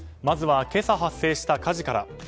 まずは今朝発生した火事から。